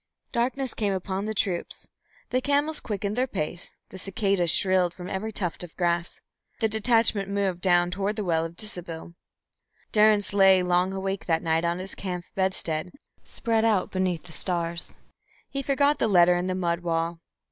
Darkness came upon the troops, the camels quickened their pace, the cicadas shrilled from every tuft of grass. The detachment moved down toward the well of Disibil. Durrance lay long awake that night on his camp bedstead spread out beneath the stars. He forgot the letter in the mud wall.